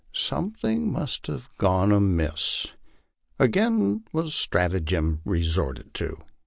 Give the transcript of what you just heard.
Something must have gone amiss. Again was stratagem resorted to.